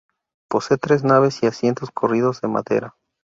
Posee tres naves y asientos corridos de madera.